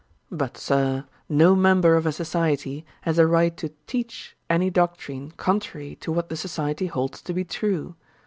But, Sir, no member of a society has a right to teach any doctrine contrary to what the society holds to be true.